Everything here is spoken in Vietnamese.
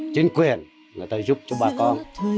chính quyền người ta giúp cho bà con